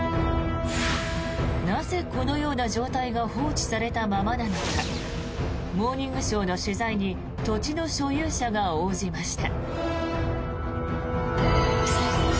なぜこのような状態が放置されたままなのか「モーニングショー」の取材に土地の所有者が応じました。